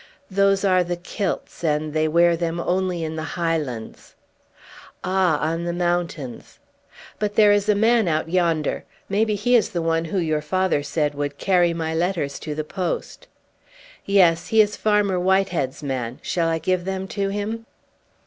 "Those are the kilts, and they wear them only in the Highlands." "Ah! on the mountains. But there is a man out yonder. Maybe he is the one who your father said would carry my letters to the post." "Yes, he is Farmer Whitehead's man. Shall I give them to him?"